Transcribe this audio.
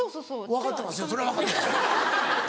分かってますよそれは。